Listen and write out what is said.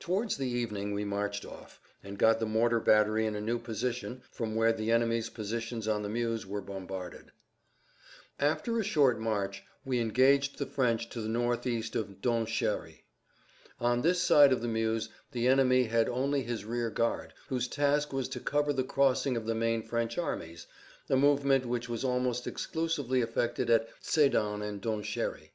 Towards the evening we marched off, and got the mortar battery in a new position from where the enemy's positions on the Meuse were bombarded. After a short march we engaged the French to the northeast of Donchéry. On this side of the Meuse the enemy had only his rear guard, whose task was to cover the crossing of the main French armies, a movement which was almost exclusively effected at Sédan and Donchéry.